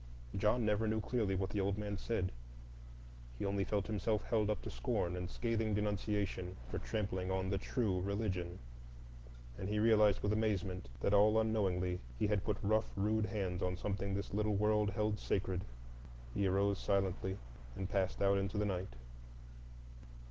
John never knew clearly what the old man said; he only felt himself held up to scorn and scathing denunciation for trampling on the true Religion, and he realized with amazement that all unknowingly he had put rough, rude hands on something this little world held sacred. He arose silently, and passed out into the night.